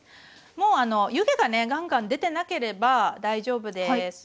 もう湯気がねガンガン出てなければ大丈夫です。